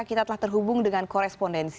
kita telah terhubung dengan korespondensi